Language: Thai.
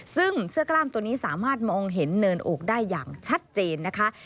ซึ่งเสื้อกล้ามตัวนี้สามารถมองเห็นเนินอกได้อย่างชัดเจนนะคะ